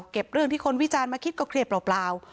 เรื่องที่คนวิจารณ์มาคิดก็เครียดเปล่า